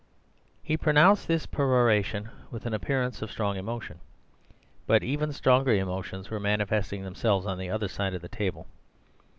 He pronounced this peroration with an appearance of strong emotion. But even stronger emotions were manifesting themselves on the other side of the table.